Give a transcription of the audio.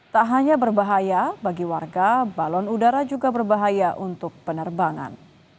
tak hanya berbahaya bagi warga balon udara juga berbahaya untuk penerbangan